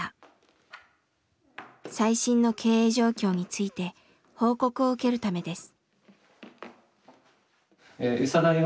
最新の経営状況について報告を受けるためです。